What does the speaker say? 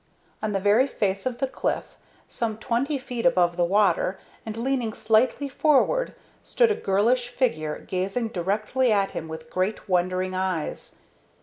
On the very face of the cliff, some twenty feet above the water, and leaning slightly forward, stood a girlish figure gazing directly at him with great, wondering eyes.